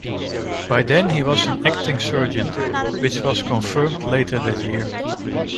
By then he was an acting sergeant, which was confirmed later that year.